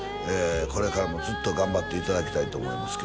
これからもずっと頑張っていただきたいと思います